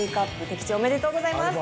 的中おめでとうございます！